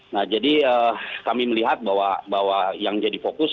nah jadi kami melihat bahwa yang jadi fokus